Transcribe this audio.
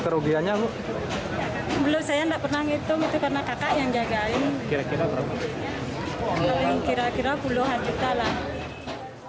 kira kira puluhan juta lah